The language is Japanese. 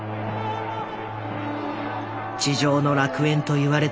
「地上の楽園」といわれた